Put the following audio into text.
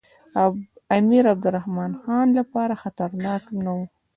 د امیر عبدالرحمن خان لپاره خطرناک نه وو.